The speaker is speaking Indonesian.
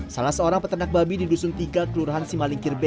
salah seorang peternak babi di dusun tiga kelurahan simalingkir b